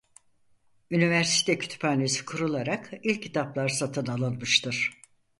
Üniversite kütüphanesi kurularak ilk kitaplar satın alınmıştır.